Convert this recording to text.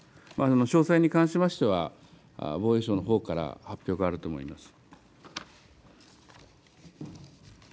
詳細に関しましては、防衛省のほうから発表があると思います。